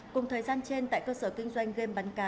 cùng thời gian trên tại cơ sở kinh doanh game bắn cá